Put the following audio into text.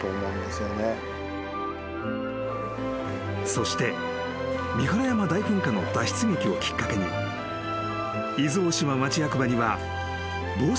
［そして三原山大噴火の脱出劇をきっかけに伊豆大島町役場には］